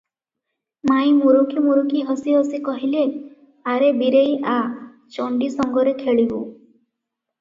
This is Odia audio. ମାଇଁ ମୁରୁକି ମୁରୁକି ହସି ହସି କହିଲେ, "ଆରେ ବୀରେଇ ଆ, ଚଣ୍ଡୀ ସଙ୍ଗରେ ଖେଳିବୁ ।"